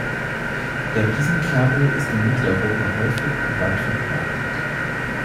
Der Wiesen-Kerbel ist in Mitteleuropa häufig und weit verbreitet.